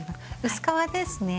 薄皮ですね。